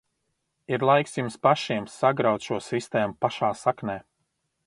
Ir laiks jums pašiem sagraut šo sistēmu pašā saknē!